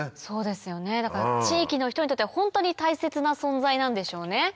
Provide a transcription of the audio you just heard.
そうですよね地域の人にとってはホントに大切な存在なんでしょうね。